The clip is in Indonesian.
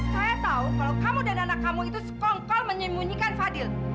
saya tahu kalau kamu dan anak kamu itu sekongkol menyembunyikan fadil